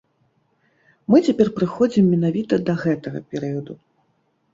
Мы цяпер прыходзім менавіта да гэтага перыяду.